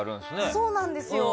そうなんですよ。